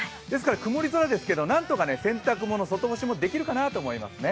曇り空ですけど、何とか洗濯物、外干しもできるかなと思いますね。